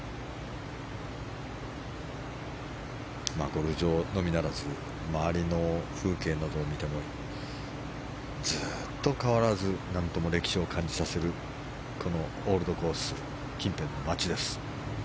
ゴルフ場のみならず周りの風景などを見てもずっと変わらずなんとも歴史を感じさせるこのオールドコース近辺の街です。